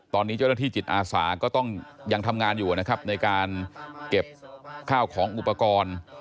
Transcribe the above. ตอนนี้เจ้าหน้าที่จิตอาสาก็ต้องยังทำงานอยู่นะครับในการเก็บข้าวของอุปกรณ์